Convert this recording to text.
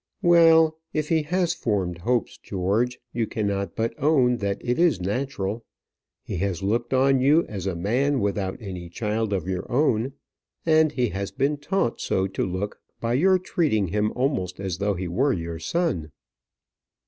"Well, if he has formed hopes, George, you cannot but own that it is natural. He has looked on you as a man without any child of your own, and he has been taught so to look by your treating him almost as though he were your son."